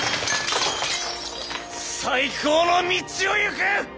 再興の道を行く！